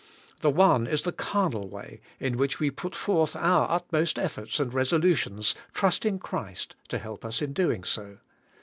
The one is the carnal way, in which we put forth our utmost efforts and resolutions, trusting Christ to help us in doing so.